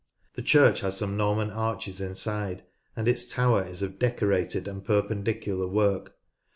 The church has some Norman arches inside, and its tower is of Decorated and Perpen dicular work.